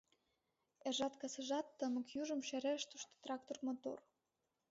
Эржат-касыжат тымык южым Шереш тушто трактор мотор.